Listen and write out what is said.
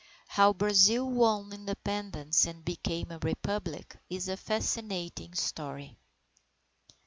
How Brazil won Independence and became a Republic, is a fascinating story.